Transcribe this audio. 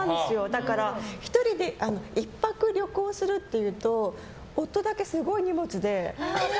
だから、１泊旅行するっていうと夫だけすごい荷物で。